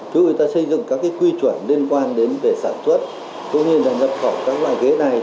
chúng tôi đã xây dựng các quy chuẩn liên quan đến về sản xuất cũng như là nhập khẩu các loại ghế